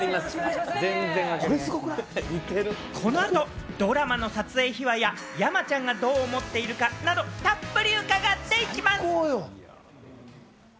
この後、ドラマの撮影秘話や、山ちゃんがどう思っているかなど、たっぷり伺っていきます。